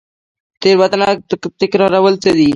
تیروتنه تکرارول څه دي؟